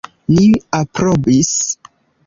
Ni aprobis.